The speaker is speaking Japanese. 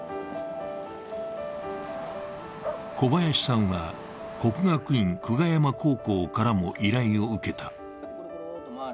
小林さんは、国学院久我山高校からも依頼を受けた。